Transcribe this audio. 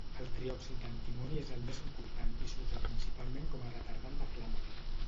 El triòxid d'antimoni és el més important i s'usa principalment com retardant de flama.